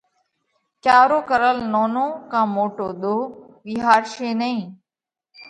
ڪيا رو ڪرل نونو ڪا موٽو ۮوه وِيهارشي نئين۔